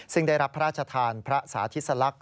ซึ่งได้รับพระราชทานพระสาธิสลักษณ